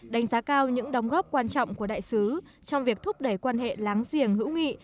đánh giá cao những đóng góp quan trọng của đại sứ trong việc thúc đẩy quan hệ láng giềng hữu nghị